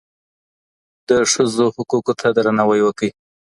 د ښځو حقوقو ته درناوی وکړئ.